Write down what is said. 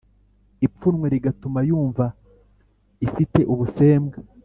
ipfunwe rigatuma yumva ifite ubusembwa